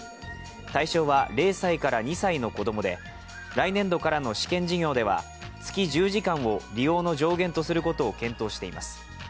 対象は０歳から２歳の子供で来年度からの試験事業では月１０時間を利用の上限とすることを検討しています。